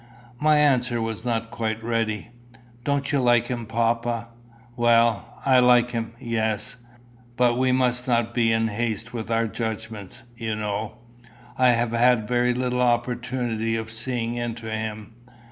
My answer was not quite ready. "Don't you like him, papa?" "Well I like him yes. But we must not be in haste with our judgments, you know. I have had very little opportunity of seeing into him.